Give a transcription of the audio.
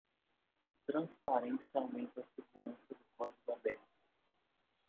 Transparência aumenta a segurança do código aberto.